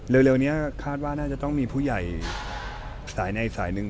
เร็วนี้คาดว่าน่าจะต้องมีผู้ใหญ่สายใดสายหนึ่ง